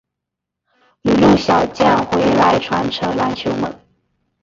旅陆小将回来传承篮球梦